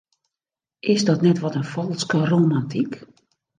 Is dat net wat in falske romantyk?